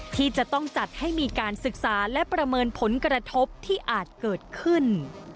ที่จะต้องจัดให้มีการศึกษาและประเมินผลกระทบที่อาจเกิดขึ้น